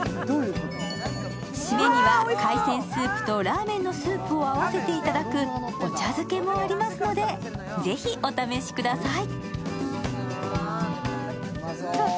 〆には海鮮スープとラーメンのスープを併せていただくお茶漬けもありますので、ぜひお試しください。